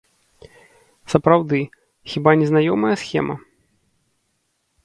Сапраўды, хіба не знаёмая схема?